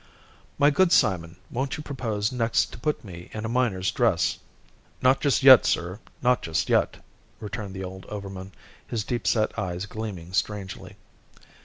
"My good Simon, won't you propose next to put me in a miner's dress?" "Not just yet, sir, not just yet!" returned the old overman, his deep set eyes gleaming strangely.